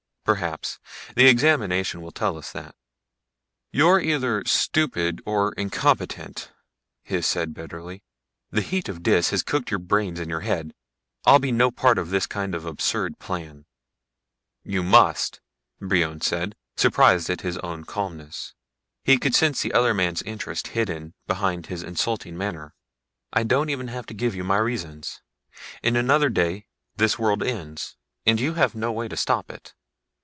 "Perhaps. The examination will tell us that." "You're either stupid or incompetent," Hys said bitterly. "The heat of Dis has cooked your brains in your head. I'll be no part of this kind of absurd plan." "You must," Brion said, surprised at his own calmness. He could sense the other man's interest hidden behind his insulting manner. "I don't even have to give you my reasons. In another day this world ends and you have no way to stop it.